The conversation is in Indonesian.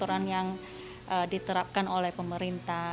aturan yang diterapkan oleh pemerintah